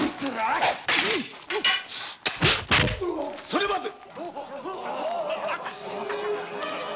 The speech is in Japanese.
それまで！